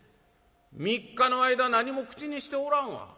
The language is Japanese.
「３日の間何も口にしておらんわ」。